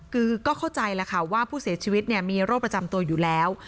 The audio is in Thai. คือก็เข้าใจแล้วค่ะว่าผู้เสียชีวิตมีโรคประจำตัวอยู่แล้ว